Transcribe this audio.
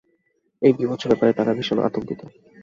এই বীভৎস ব্যাপারে তারা ভীষণ আতঙ্কিত।